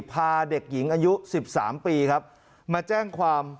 พาเด็กหญิงอายุ๑๓ปีครับมาแจ้งความ